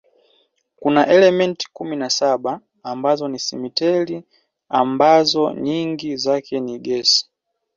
Kuna elementi kumi na saba ambazo ni simetili ambazo nyingi zake ni gesi.